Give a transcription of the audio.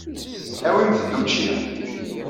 Awimt-d učči.